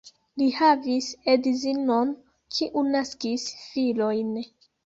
Li havis edzinon, kiu naskis filojn.